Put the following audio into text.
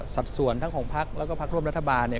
สัดส่วนทั้งของพักแล้วก็พักร่วมรัฐบาลเนี่ย